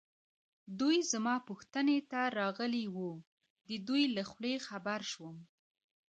دوی زما پوښتنې ته راغلي وو، د دوی له خولې خبر شوم.